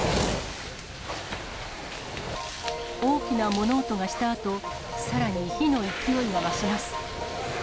大きな物音がしたあと、さらに火の勢いは増します。